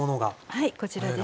はいこちらですね。